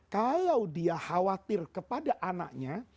kalau dia khawatir kepada anaknya